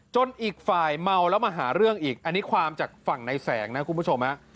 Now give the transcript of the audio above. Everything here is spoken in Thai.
อีกฝ่ายเมาแล้วมาหาเรื่องอีกอันนี้ความจากฝั่งในแสงนะคุณผู้ชมฮะ